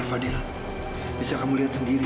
sekarang fadil bisa kamu lihat sendiri